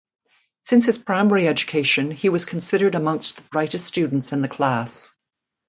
Since his primary education he was considered amongst the brightest students in the class.